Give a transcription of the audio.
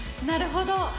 なるほど。